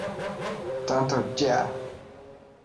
Tanto "Yeah!